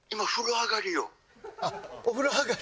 あっお風呂上がり？